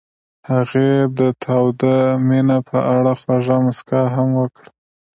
هغې د تاوده مینه په اړه خوږه موسکا هم وکړه.